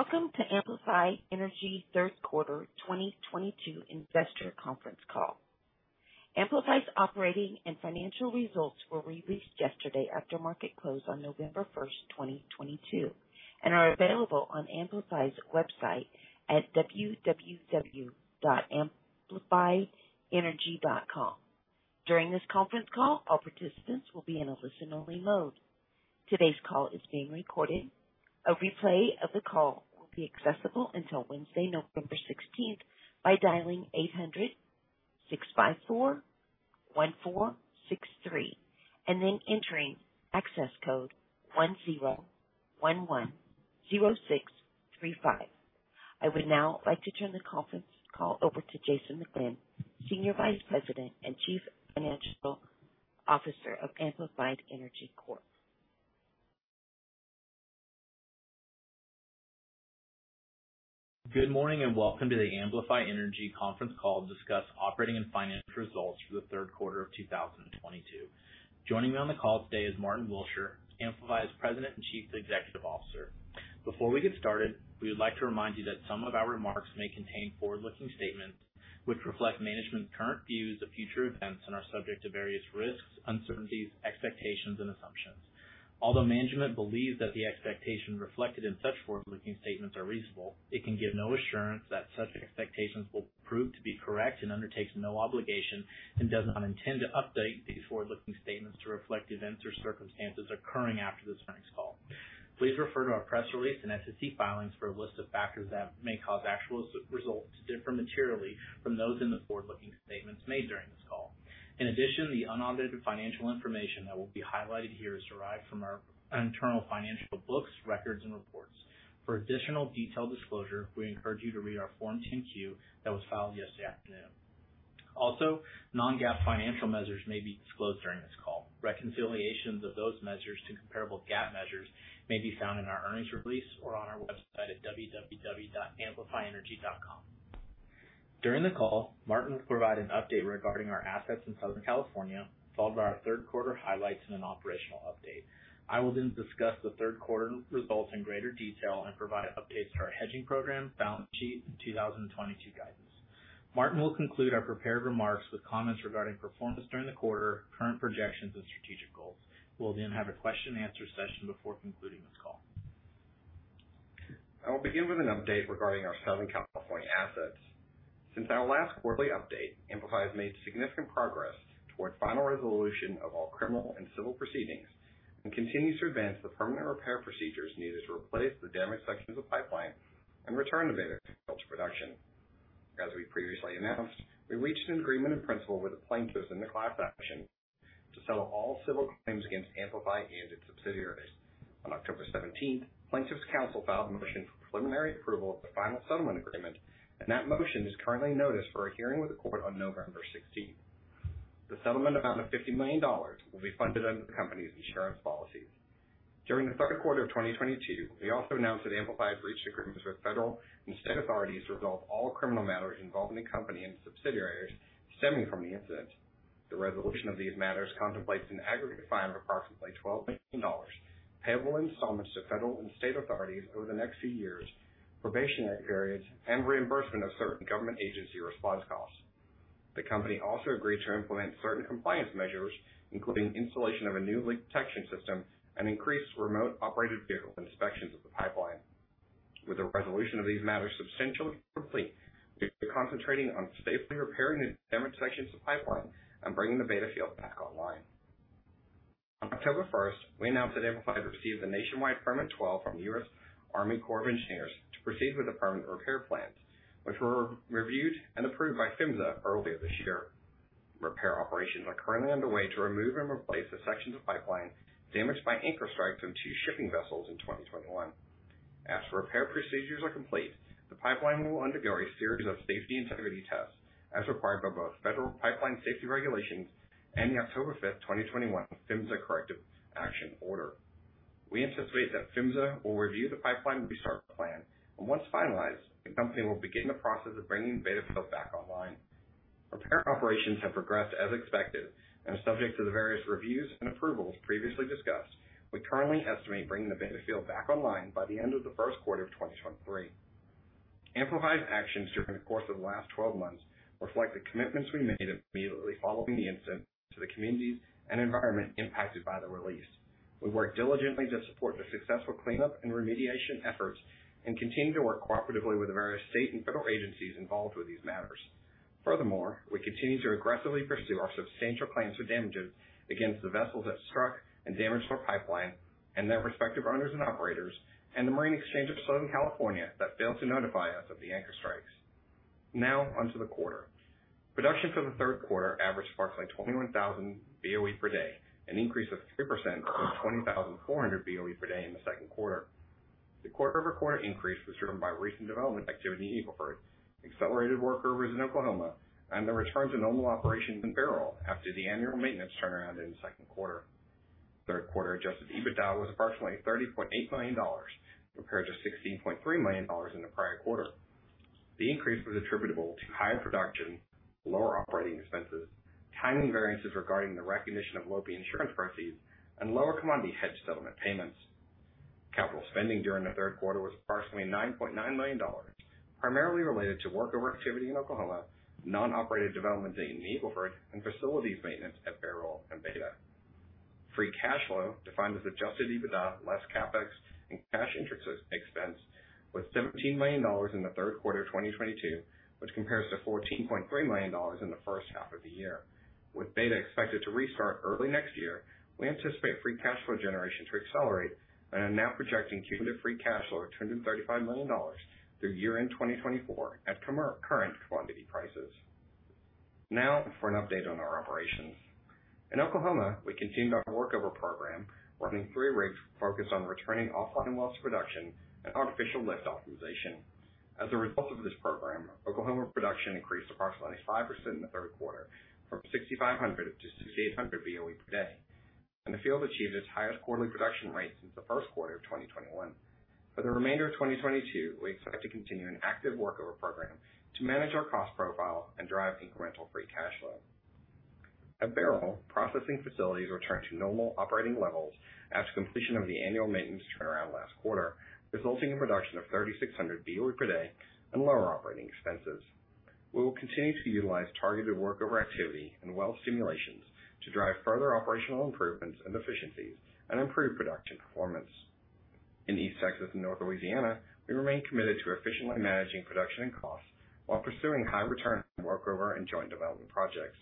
Welcome to Amplify Energy third quarter 2022 investor conference call. Amplify's operating and financial results were released yesterday after market close on November 1st, 2022, and are available on Amplify's website at www.amplifyenergy.com. During this conference call, all participants will be in a listen-only mode. Today's call is being recorded. A replay of the call will be accessible until Wednesday, November 16th, by dialing 800-654-1463 and then entering access code 10110635. I would now like to turn the conference call over to Jason McGlynn, Senior Vice President and Chief Financial Officer of Amplify Energy Corp. Good morning and welcome to the Amplify Energy conference call to discuss operating and financial results for the third quarter of 2022. Joining me on the call today is Martyn Willsher, Amplify's President and Chief Executive Officer. Before we get started, we would like to remind you that some of our remarks may contain forward-looking statements which reflect management's current views of future events and are subject to various risks, uncertainties, expectations, and assumptions. Although management believes that the expectations reflected in such forward-looking statements are reasonable, it can give no assurance that such expectations will prove to be correct and undertakes no obligation and does not intend to update these forward-looking statements to reflect events or circumstances occurring after this earnings call. Please refer to our press release and SEC filings for a list of factors that may cause actual results to differ materially from those in the forward-looking statements made during this call. In addition, the unaudited financial information that will be highlighted here is derived from our internal financial books, records and reports. For additional detailed disclosure, we encourage you to read our Form 10-Q that was filed yesterday afternoon. Also, non-GAAP financial measures may be disclosed during this call. Reconciliations of those measures to comparable GAAP measures may be found in our earnings release or on our website at www.amplifyenergy.com. During the call, Martyn will provide an update regarding our assets in Southern California, followed by our third quarter highlights and an operational update. I will then discuss the third quarter results in greater detail and provide updates to our hedging program, balance sheet, and 2022 guidance. Martyn will conclude our prepared remarks with comments regarding performance during the quarter, current projections and strategic goals. We'll then have a question-and-answer session before concluding this call. I will begin with an update regarding our Southern California assets. Since our last quarterly update, Amplify has made significant progress towards final resolution of all criminal and civil proceedings and continues to advance the permanent repair procedures needed to replace the damaged sections of pipeline and return the Beta field to production. As we previously announced, we reached an agreement in principle with the plaintiffs in the class action to settle all civil claims against Amplify and its subsidiaries. On October 17th, plaintiffs' counsel filed a motion for preliminary approval of the final settlement agreement, and that motion is currently noticed for a hearing with the court on November 16th. The settlement amount of $50 million will be funded under the company's insurance policies. During the third quarter of 2022, we also announced that Amplify had reached agreements with federal and state authorities to resolve all criminal matters involving the company and subsidiaries stemming from the incident. The resolution of these matters contemplates an aggregate fine of approximately $12 million, payable in installments to federal and state authorities over the next few years, probationary periods, and reimbursement of certain government agency response costs. The company also agreed to implement certain compliance measures, including installation of a new leak detection system and increased remotely operated vehicles inspections of the pipeline. With the resolution of these matters substantially complete, we are concentrating on safely repairing the damaged sections of pipeline and bringing the Beta field back online. On October 1st, we announced that Amplify had received the Nationwide Permit 12 from the U.S. Army Corps of Engineers to proceed with the permanent repair plans, which were reviewed and approved by PHMSA earlier this year. Repair operations are currently underway to remove and replace the sections of pipeline damaged by anchor strikes of two shipping vessels in 2021. As repair procedures are complete, the pipeline will undergo a series of safety integrity tests as required by both federal pipeline safety regulations and the October 5th, 2021 PHMSA Corrective Action Order. We anticipate that PHMSA will review the pipeline restart plan, and once finalized, the company will begin the process of bringing the Beta field back online. Repair operations have progressed as expected and are subject to the various reviews and approvals previously discussed. We currently estimate bringing the Beta field back online by the end of the first quarter of 2023. Amplify's actions during the course of the last 12 months reflect the commitments we made immediately following the incident to the communities and environment impacted by the release. We worked diligently to support the successful cleanup and remediation efforts and continue to work cooperatively with the various state and federal agencies involved with these matters. Furthermore, we continue to aggressively pursue our substantial claims for damages against the vessels that struck and damaged our pipeline and their respective owners and operators, and the Marine Exchange of Southern California that failed to notify us of the anchor strikes. Now on to the quarter. Production for the third quarter averaged approximately 21,000 BOE per day, an increase of 3% from 20,400 BOE per day in the second quarter. The quarter-over-quarter increase was driven by recent development activity in Eagle Ford, accelerated workovers in Oklahoma, and the return to normal operations in Bairoil after the annual maintenance turnaround in the second quarter. Third quarter adjusted EBITDA was approximately $30.8 million, compared to $16.3 million in the prior quarter. The increase was attributable to higher production, lower operating expenses, timing variances regarding the recognition of LOPI insurance proceeds, and lower commodity hedge settlement payments. Capital spending during the third quarter was approximately $9.9 million, primarily related to workover activity in Oklahoma, non-operated development in Eagle Ford, and facilities maintenance at Bairoil and Beta. Free cash flow, defined as adjusted EBITDA less CapEx and cash interest expense, was $17 million in the third quarter of 2022, which compares to $14.3 million in the first half of the year. With Beta expected to restart early next year, we anticipate free cash flow generation to accelerate and are now projecting cumulative free cash flow of $235 million through year-end 2024 at current commodity prices. Now for an update on our operations. In Oklahoma, we continued our workover program, running three rigs focused on returning offline wells to production and artificial lift optimization. As a result of this program, Oklahoma production increased approximately 5% in the third quarter from 6,500 BOE-6,800 BOE per day, and the field achieved its highest quarterly production rate since the first quarter of 2021. For the remainder of 2022, we expect to continue an active workover program to manage our cost profile and drive incremental free cash flow. At Bairoil, processing facilities returned to normal operating levels after completion of the annual maintenance turnaround last quarter, resulting in production of 3,600 BOE per day and lower operating expenses. We will continue to utilize targeted workover activity and well stimulations to drive further operational improvements and efficiencies and improve production performance. In East Texas and North Louisiana, we remain committed to efficiently managing production and costs while pursuing high return workover and joint development projects.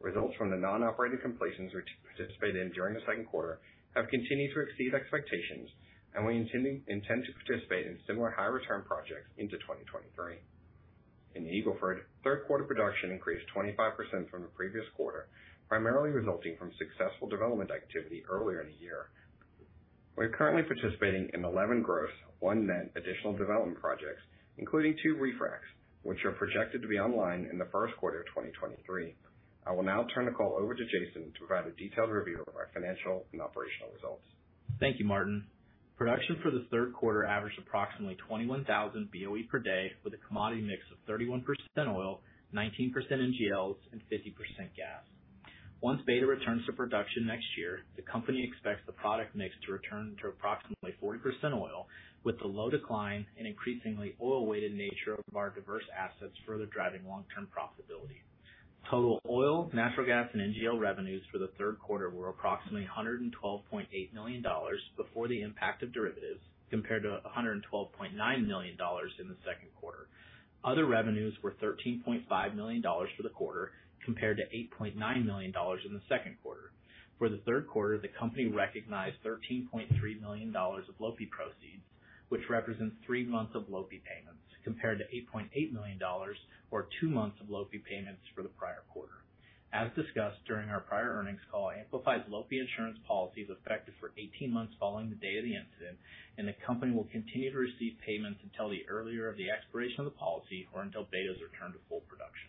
Results from the non-operated completions we participated in during the second quarter have continued to exceed expectations, and we intend to participate in similar high return projects into 2023. In Eagle Ford, third quarter production increased 25% from the previous quarter, primarily resulting from successful development activity earlier in the year. We're currently participating in 11 gross, one net additional development projects, including two re-fracs, which are projected to be online in the first quarter of 2023. I will now turn the call over to Jason to provide a detailed review of our financial and operational results. Thank you, Martyn. Production for the third quarter averaged approximately 21,000 BOE per day with a commodity mix of 31% oil, 19% NGLs, and 50% gas. Once Beta returns to production next year, the company expects the product mix to return to approximately 40% oil, with the low decline and increasingly oil-weighted nature of our diverse assets further driving long-term profitability. Total oil, natural gas, and NGL revenues for the third quarter were approximately $112.8 million before the impact of derivatives, compared to $112.9 million in the second quarter. Other revenues were $13.5 million for the quarter, compared to $8.9 million in the second quarter. For the third quarter, the company recognized $13.3 million of LOPI proceeds, which represents three months of LOPI payments, compared to $8.8 million or two months of LOPI payments for the prior quarter. As discussed during our prior earnings call, Amplify's LOPI insurance policy is effective for eighteen months following the day of the incident, and the company will continue to receive payments until the earlier of the expiration of the policy or until Beta's return to full production.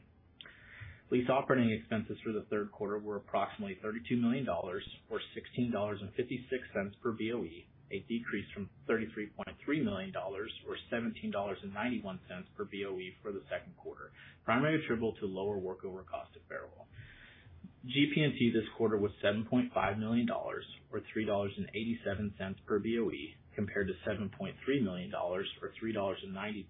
Lease operating expenses for the third quarter were approximately $32 million, or $16.56 per BOE, a decrease from $33.3 million or $17.91 per BOE for the second quarter, primarily attributable to lower workover cost at Bairoil. GP&T this quarter was $7.5 million or $3.87 per BOE compared to $7.3 million or $3.92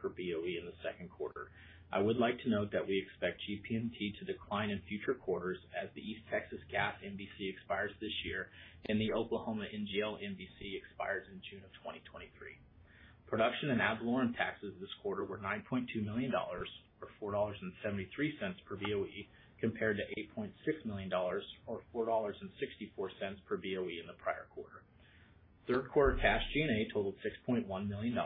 per BOE in the second quarter. I would like to note that we expect GP&T to decline in future quarters as the East Texas Gas NBC expires this year and the Oklahoma NGL NBC expires in June of 2023. Production and ad valorem taxes this quarter were $9.2 million or $4.73 per BOE compared to $8.6 million or $4.64 per BOE in the prior quarter. Third quarter cash G&A totaled $6.1 million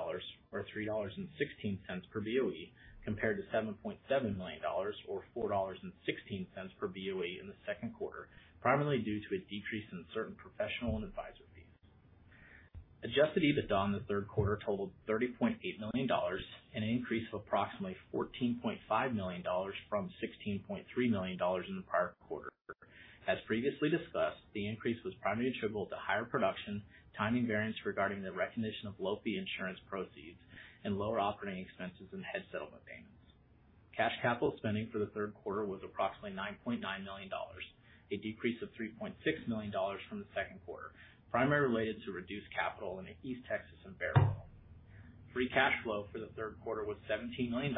or $3.16 per BOE compared to $7.7 million or $4.16 per BOE in the second quarter, primarily due to a decrease in certain professional and advisory fees. Adjusted EBITDA in the third quarter totaled $30.8 million, an increase of approximately $14.5 million from $16.3 million in the prior quarter. As previously discussed, the increase was primarily attributable to higher production, timing variance regarding the recognition of LOPI insurance proceeds, and lower operating expenses and hedge settlement payments. Cash capital spending for the third quarter was approximately $9.9 million, a decrease of $3.6 million from the second quarter, primarily related to reduced capital in East Texas and Bairoil. Free cash flow for the third quarter was $17 million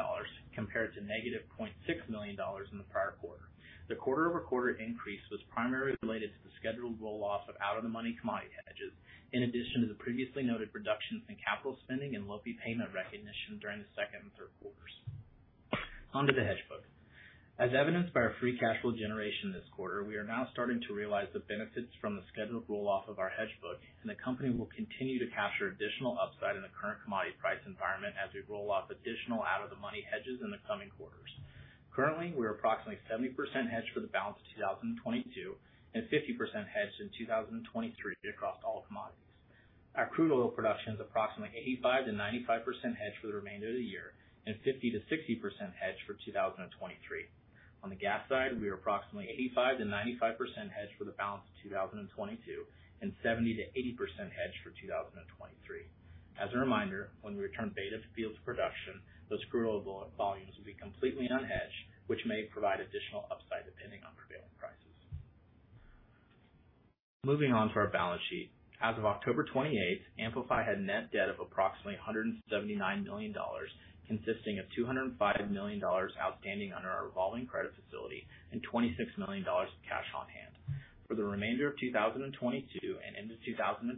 compared to -$0.6 million in the prior quarter. The quarter-over-quarter increase was primarily related to the scheduled roll-off of out-of-the-money commodity hedges, in addition to the previously noted reductions in capital spending and LOPI payment recognition during the second and third quarters. On to the hedge book. As evidenced by our free cash flow generation this quarter, we are now starting to realize the benefits from the scheduled roll-off of our hedge book, and the company will continue to capture additional upside in the current commodity price environment as we roll off additional out-of-the-money hedges in the coming quarters. Currently, we are approximately 70% hedged for the balance of 2022 and 50% hedged in 2023 across all commodities. Our crude oil production is approximately 85%-95% hedged for the remainder of the year and 50%-60% hedged for 2023. On the gas side, we are approximately 85%-95% hedged for the balance of 2022 and 70%-80% hedged for 2023. As a reminder, when we return Beta to fields production, those crude oil volumes will be completely unhedged, which may provide additional upside depending on prevailing prices. Moving on to our balance sheet. As of October 28th, Amplify had net debt of approximately $179 million, consisting of $205 million outstanding under our revolving credit facility and $26 million of cash on hand. For the remainder of 2022 and into 2023,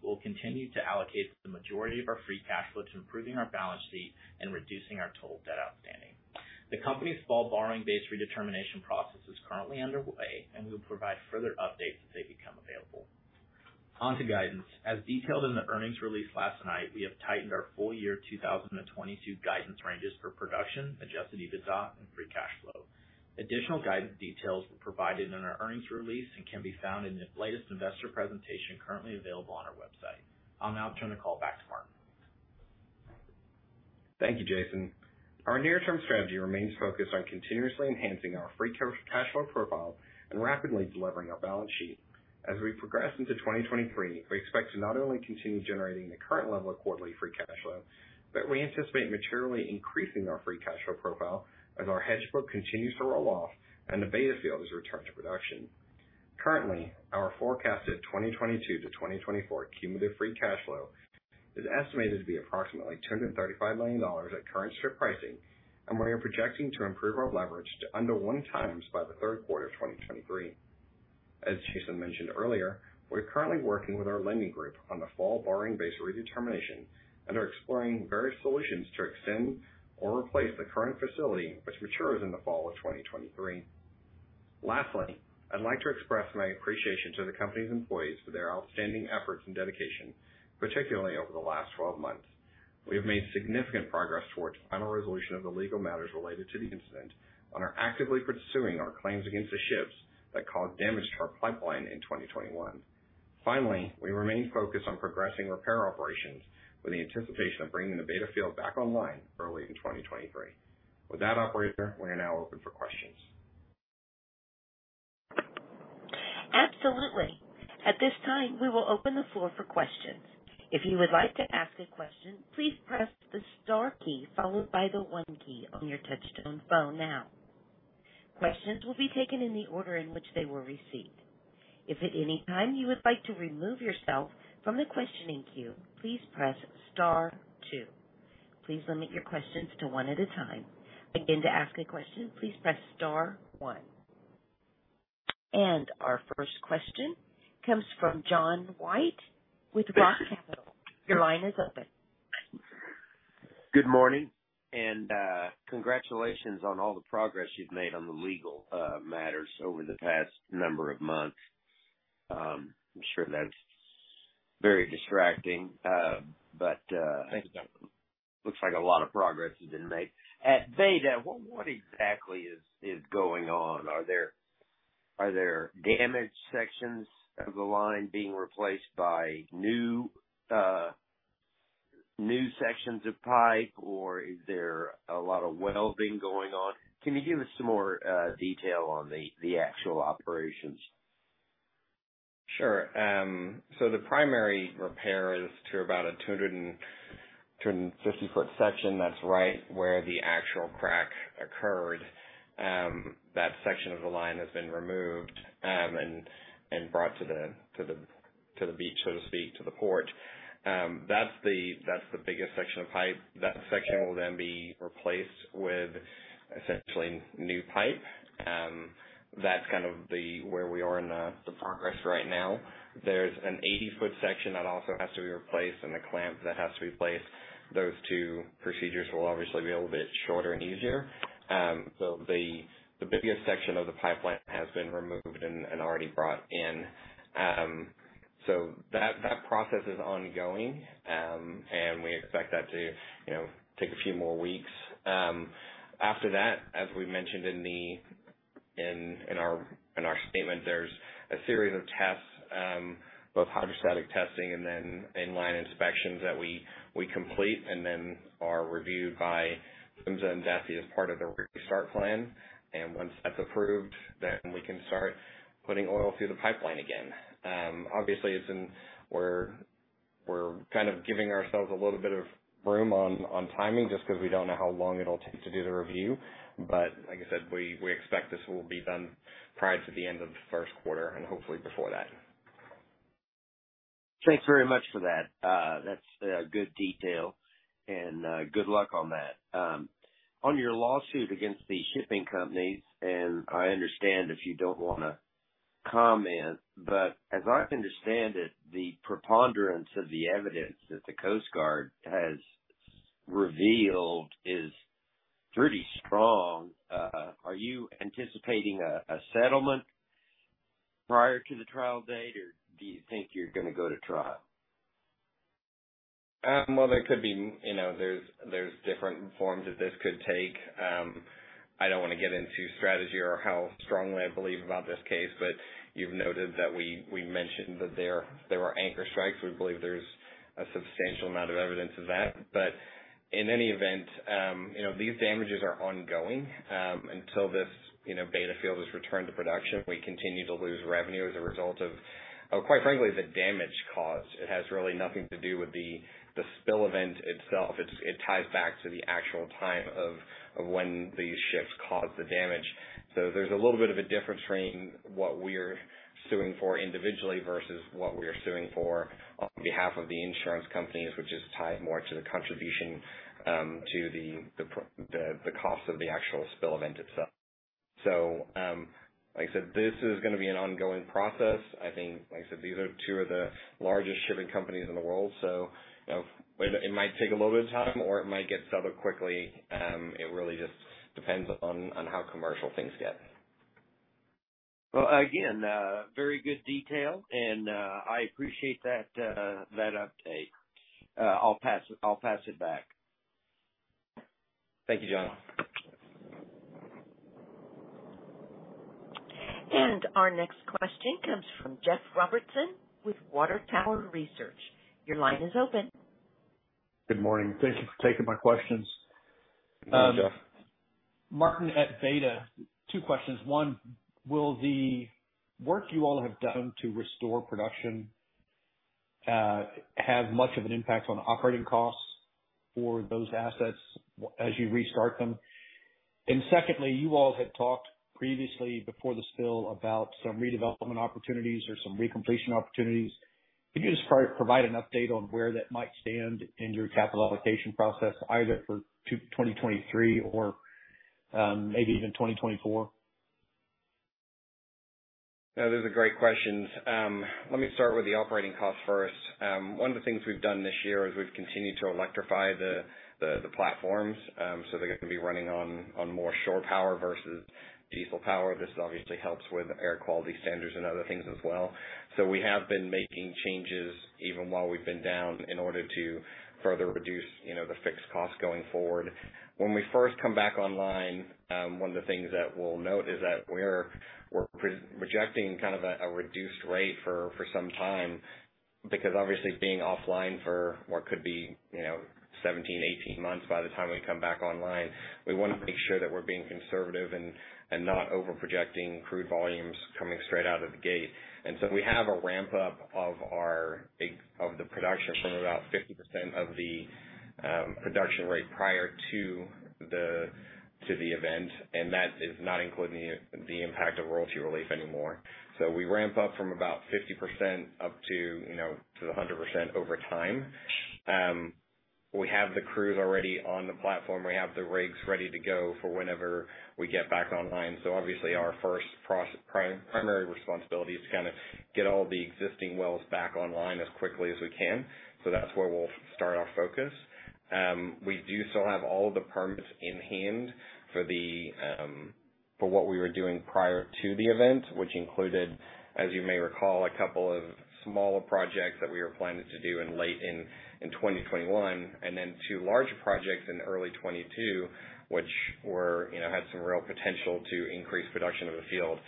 we'll continue to allocate the majority of our free cash flow to improving our balance sheet and reducing our total debt outstanding. The company's fall borrowing base redetermination process is currently underway, and we will provide further updates as they become available. On to guidance. As detailed in the earnings release last night, we have tightened our full year 2022 guidance ranges for production, adjusted EBITDA, and free cash flow. Additional guidance details were provided in our earnings release and can be found in the latest investor presentation currently available on our website. I'll now turn the call back to Martyn. Thank you, Jason. Our near-term strategy remains focused on continuously enhancing our free cash flow profile and rapidly delivering our balance sheet. As we progress into 2023, we expect to not only continue generating the current level of quarterly free cash flow, but we anticipate materially increasing our free cash flow profile as our hedge book continues to roll off and the Beta field is returned to production. Currently, our forecasted 2022-2024 cumulative free cash flow is estimated to be approximately $235 million at current strip pricing, and we are projecting to improve our leverage to under 1x by the third quarter of 2023. As Jason mentioned earlier, we're currently working with our lending group on the fall borrowing base redetermination and are exploring various solutions to extend or replace the current facility, which matures in the fall of 2023. Lastly, I'd like to express my appreciation to the company's employees for their outstanding efforts and dedication, particularly over the last 12 months. We have made significant progress towards final resolution of the legal matters related to the incident and are actively pursuing our claims against the ships that caused damage to our pipeline in 2021. Finally, we remain focused on progressing repair operations with the anticipation of bringing the Beta field back online early in 2023. With that operator, we are now open for questions. Absolutely. At this time, we will open the floor for questions. If you would like to ask a question, please press the star key followed by the one key on your touch-tone phone now. Questions will be taken in the order in which they were received. If at any time you would like to remove yourself from the questioning queue, please press star two. Please limit your questions to one at a time. Again, to ask a question, please press star one. Our first question comes from John White with Roth Capital. Your line is open. Good morning, and congratulations on all the progress you've made on the legal matters over the past number of months. I'm sure that's very distracting, but. Thank you, John. Looks like a lot of progress has been made. At Beta, what exactly is going on? Are there damaged sections of the line being replaced by new sections of pipe, or is there a lot of welding going on? Can you give us some more detail on the actual operations? Sure. The primary repair is to about a 250 ft section that's right where the actual crack occurred. That section of the line has been removed and brought to the beach, so to speak, to the port. That's the biggest section of pipe. That section will then be replaced with essentially new pipe. That's kind of where we are in the progress right now. There's an 80 ft section that also has to be replaced and a clamp that has to be replaced. Those two procedures will obviously be a little bit shorter and easier. The biggest section of the pipeline has been removed and already brought in. That process is ongoing, and we expect that to, you know, take a few more weeks. After that, as we mentioned in our statement, there's a series of tests, both hydrostatic testing and then inline inspections that we complete and then are reviewed by PHMSA and USCG as part of their restart plan. Once that's approved, we can start putting oil through the pipeline again. Obviously, we're kind of giving ourselves a little bit of room on timing just 'cause we don't know how long it'll take to do the review. Like I said, we expect this will be done prior to the end of the first quarter and hopefully before that. Thanks very much for that. That's good detail and good luck on that. On your lawsuit against the shipping companies, and I understand if you don't wanna comment, but as I understand it, the preponderance of the evidence that the Coast Guard has revealed is pretty strong. Are you anticipating a settlement prior to the trial date, or do you think you're gonna go to trial? Well, there could be, you know, there's different forms that this could take. I don't wanna get into strategy or how strongly I believe about this case, but you've noted that we mentioned that there were anchor strikes. We believe there's a substantial amount of evidence of that. In any event, you know, these damages are ongoing. Until this, you know, Beta field is returned to production, we continue to lose revenue as a result of, quite frankly, the damage caused. It has really nothing to do with the spill event itself. It ties back to the actual time of when these ships caused the damage. There's a little bit of a difference between what we're suing for individually versus what we are suing for on behalf of the insurance companies, which is tied more to the contribution to the cost of the actual spill event itself. Like I said, this is gonna be an ongoing process. I think, like I said, these are two of the largest shipping companies in the world, so you know, it might take a little bit of time or it might get settled quickly. It really just depends on how commercial things get. Well, again, very good detail and, I appreciate that update. I'll pass it back. Thank you, John. Our next question comes from Jeff Robertson with Water Tower Research. Your line is open. Good morning. Thank you for taking my questions. Good morning, Jeff. Martyn, I'd better two questions. One, will the work you all have done to restore production have much of an impact on operating costs for those assets as you restart them? And secondly, you all had talked previously before the spill about some redevelopment opportunities or some recompletion opportunities. Could you just provide an update on where that might stand in your capital allocation process, either for 2023 or maybe even 2024? Yeah, those are great questions. Let me start with the operating costs first. One of the things we've done this year is we've continued to electrify the platforms, so they're gonna be running on more shore power versus diesel power. This obviously helps with air quality standards and other things as well. We have been making changes even while we've been down in order to further reduce, you know, the fixed costs going forward. When we first come back online, one of the things that we'll note is that we're pre-projecting kind of a reduced rate for some time because obviously being offline for what could be, you know, 17 months, 18 months by the time we come back online, we wanna make sure that we're being conservative and not over-projecting crude volumes coming straight out of the gate. We have a ramp up of our production from about 50% of the production rate prior to the event, and that is not including the impact of royalty relief anymore. We ramp up from about 50% up to, you know, to the 100% over time. We have the crews already on the platform. We have the rigs ready to go for whenever we get back online. Obviously our first primary responsibility is to kind of get all the existing wells back online as quickly as we can. That's where we'll start our focus. We do still have all of the permits in hand for what we were doing prior to the event, which included, as you may recall, a couple of smaller projects that we were planning to do in late 2021, and then two larger projects in early 2022, which were, you know, had some real potential to increase production of the field.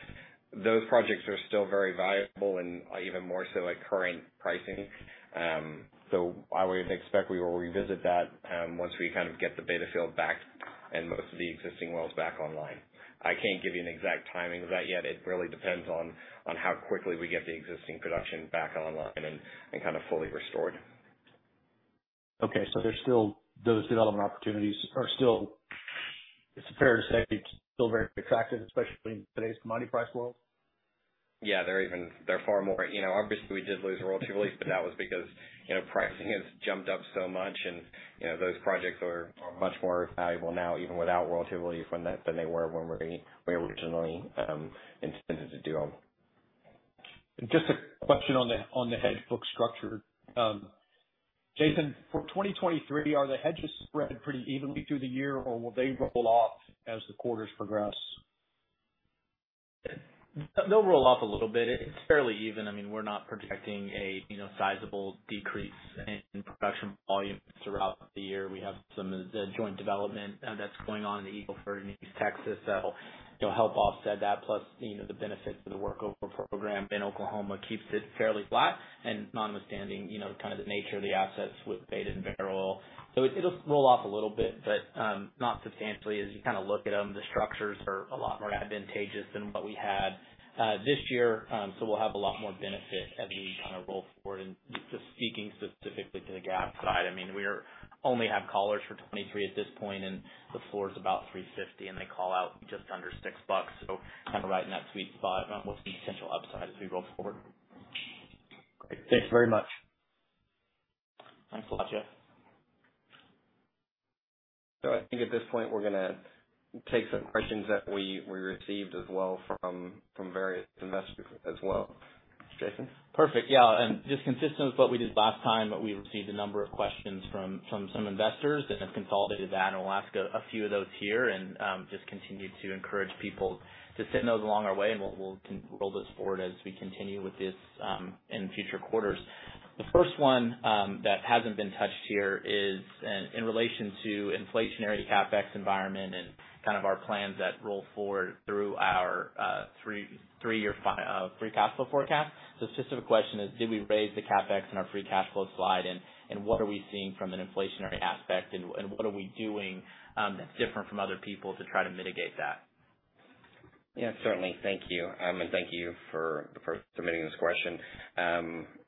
Those projects are still very valuable and even more so at current pricing. I would expect we will revisit that once we kind of get the Beta field back and most of the existing wells back online. I can't give you an exact timing of that yet. It really depends on how quickly we get the existing production back online and kind of fully restored. Okay. Those development opportunities are still, it's fair to say it's still very attractive, especially in today's commodity price world? Yeah, they're far more. You know, obviously we did lose royalty relief, but that was because, you know, pricing has jumped up so much and, you know, those projects are much more valuable now even without royalty relief than they were when we originally intended to do them. Just a question on the hedge book structure. Jason, for 2023, are the hedges spread pretty evenly through the year, or will they roll off as the quarters progress? They'll roll off a little bit. It's fairly even. I mean, we're not projecting a, you know, sizable decrease in production volumes throughout the year. We have some of the joint development that's going on in the Eagle Ford in East Texas that'll, you know, help offset that. Plus, you know, the benefit of the workover program in Oklahoma keeps it fairly flat and notwithstanding, you know, kind of the nature of the assets with Beta and Bairoil. So it'll roll off a little bit, but not substantially as you kind of look at them. The structures are a lot more advantageous than what we had this year. So we'll have a lot more benefit as we kind of roll forward. Just speaking specifically to the gas side, I mean, we only have collars for 2023 at this point, and the floor is about $3.50, and the ceiling just under $6. Kind of right in that sweet spot on what's the potential upside as we roll forward. Great. Thanks very much. Thanks a lot, Jeff. I think at this point we're gonna take some questions that we received as well from various investors as well. Jason? Perfect. Yeah. Just consistent with what we did last time, we received a number of questions from some investors and have consolidated that. We'll ask a few of those here and just continue to encourage people to send those along our way, and we'll roll those forward as we continue with this in future quarters. The first one that hasn't been touched here is in relation to inflationary CapEx environment and kind of our plans that roll forward through our three-year free cash flow forecast. So specific question is, did we raise the CapEx in our free cash flow slide? And what are we seeing from an inflationary aspect? And what are we doing that's different from other people to try to mitigate that? Yeah, certainly. Thank you. Thank you for submitting this question.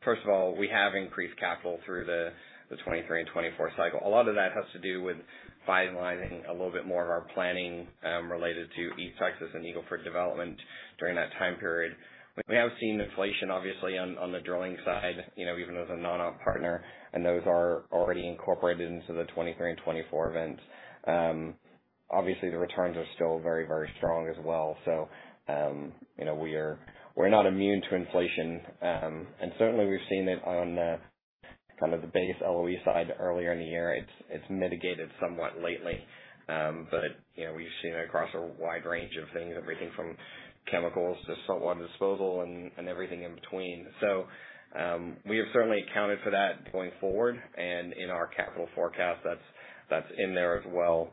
First of all, we have increased capital through the 2023 and 2024 cycle. A lot of that has to do with fine-tuning a little bit more of our planning related to East Texas and Eagle Ford development during that time period. We have seen inflation obviously on the drilling side, you know, even as a non-op partner, and those are already incorporated into the 2023 and 2024 events. Obviously the returns are still very strong as well. You know, we're not immune to inflation. Certainly we've seen it on kind of the base LOE side earlier in the year. It's mitigated somewhat lately. You know, we've seen it across a wide range of things, everything from chemicals to saltwater disposal and everything in between. We have certainly accounted for that going forward and in our capital forecast that's in there as well.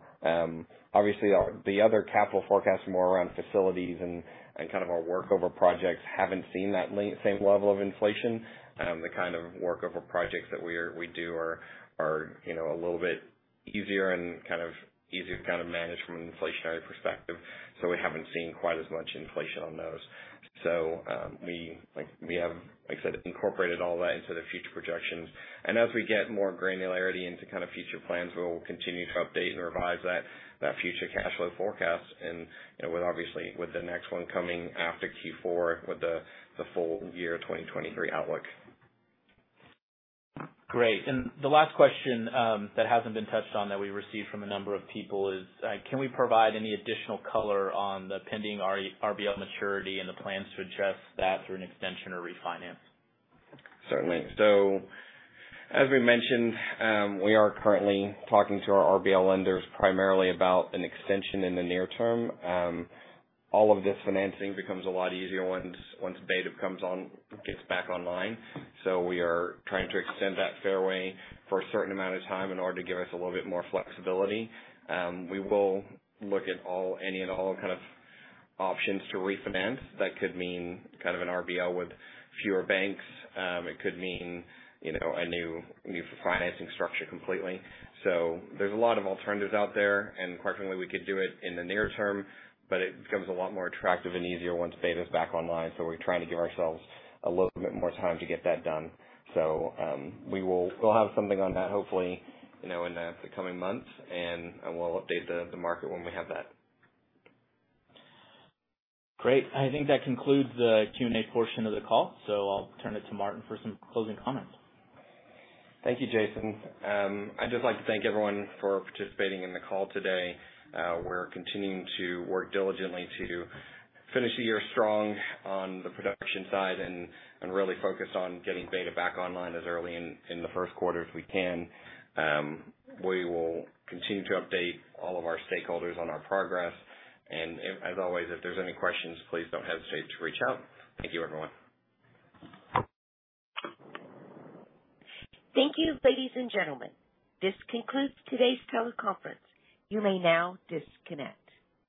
Obviously the other capital forecast more around facilities and kind of our workover projects haven't seen that same level of inflation. The kind of workover projects that we do are, you know, a little bit easier and kind of easier to kind of manage from an inflationary perspective, so we haven't seen quite as much inflation on those. We have, like I said, incorporated all that into the future projections and as we get more granularity into kind of future plans, we'll continue to update and revise that future cash flow forecast and with obviously, with the next one coming after Q4 with the full year 2023 outlook. Great. The last question that hasn't been touched on that we received from a number of people is, can we provide any additional color on the pending RBL maturity and the plans to address that through an extension or refinance? Certainly. As we mentioned, we are currently talking to our RBL lenders primarily about an extension in the near term. All of this financing becomes a lot easier once Beta comes on, gets back online. We are trying to extend that fairway for a certain amount of time in order to give us a little bit more flexibility. We will look at all, any and all kind of options to refinance. That could mean kind of an RBL with fewer banks. It could mean, you know, a new financing structure completely. There's a lot of alternatives out there, and fortunately we could do it in the near term, but it becomes a lot more attractive and easier once Beta's back online. We're trying to give ourselves a little bit more time to get that done. We'll have something on that hopefully, you know, in the coming months and we'll update the market when we have that. Great. I think that concludes the Q&A portion of the call, so I'll turn it to Martyn for some closing comments. Thank you, Jason. I'd just like to thank everyone for participating in the call today. We're continuing to work diligently to finish the year strong on the production side and really focus on getting Beta back online as early in the first quarter as we can. We will continue to update all of our stakeholders on our progress, and as always, if there's any questions, please don't hesitate to reach out. Thank you, everyone. Thank you, ladies and gentlemen. This concludes today's teleconference. You may now disconnect.